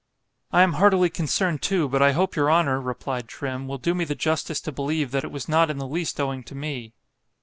—I am heartily concerned too, but I hope your honour, replied Trim, will do me the justice to believe, that it was not in the least owing to me.